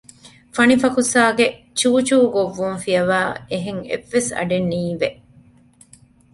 ފަނިފަކުސާގެ ޗޫޗޫ ގޮއްވުން ފިޔަވައި އެހެން އެއްވެސް އަޑެއް ނީވެ